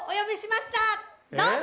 どうぞ！